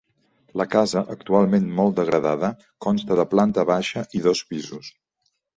La casa, actualment molt degradada, consta de planta baixa i dos pisos.